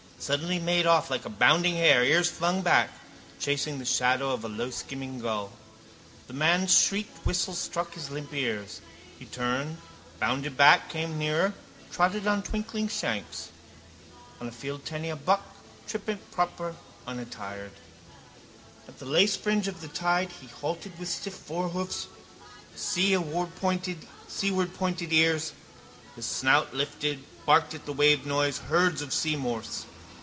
Suddenly he made off like a bounding hare, ears flung back, chasing the shadow of a lowskimming gull. The man's shrieked whistle struck his limp ears. He turned, bounded back, came nearer, trotted on twinkling shanks. On a field tenney a buck, trippant, proper, unattired. At the lacefringe of the tide he halted with stiff forehoofs, seawardpointed ears. His snout lifted barked at the wavenoise, herds of seamorse.